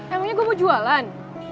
emangnya gue mau jualan